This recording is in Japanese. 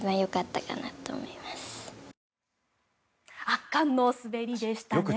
圧巻の滑りでしたね。